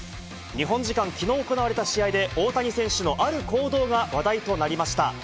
日本時間のきのう行われた試合で大谷選手のある行動が話題となりました。